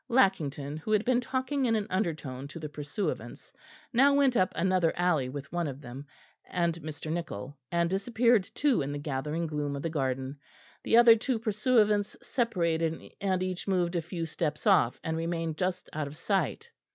Lackington, who had been talking in an undertone to the pursuivants, now went up another alley with one of them and Mr. Nichol, and disappeared too in the gathering gloom of the garden. The other two pursuivants separated and each moved a few steps off and remained just out of sight.